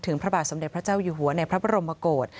ถึงพระบาทสำเร็จพระเจ้าอยู่หัวในพระบรมโมโกรธ